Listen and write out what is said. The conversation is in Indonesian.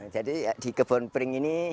jadi di kebon pring ini